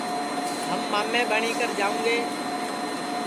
ہم مامے ٻٹؔی کر جاؤں گے